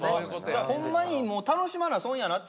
だからホンマに楽しまな損やなって。